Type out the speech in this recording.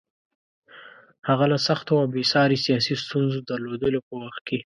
هغه له سختو او بې ساري سیاسي ستونزو درلودلو په وخت کې.